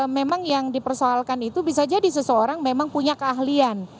memang yang dipersoalkan itu bisa jadi seseorang memang punya keahlian